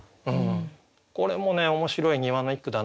これもね面白い庭の一句だなと思いました。